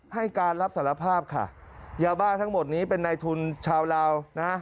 ให้การรับสารภาพค่ะยาบ้าทั้งหมดนี้เป็นในทุนชาวลาวนะ